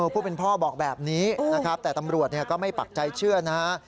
ผู้เป็นพ่อบอกแบบนี้นะครับแต่ตำรวจก็ไม่ปักใจเชื่อนะฮะ